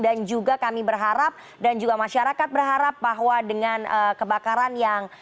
dan juga kami berharap dan juga masyarakat berharap bahwa dengan kebakaran yang